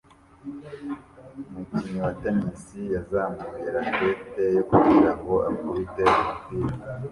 Umukinnyi wa tennis yazamuye racket ye kugirango akubite umupira